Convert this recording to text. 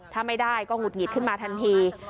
ถ้าไม่ได้ก็หุดหงิดขึ้นมาทันที